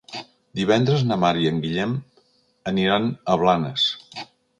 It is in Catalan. Divendres na Mar i en Guillem aniran a Blanes.